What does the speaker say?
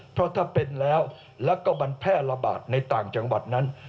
เพราะถ้าเป็นแล้วแล้วก็มันแพร่ระบาดในต่างจังหวัดนั้น